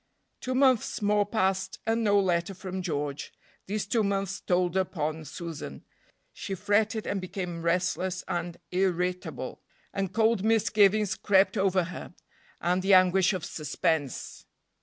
Two months more passed, and no letter from George. These two months told upon Susan; she fretted and became restless and irritable, and cold misgivings crept over her, and the anguish of suspense!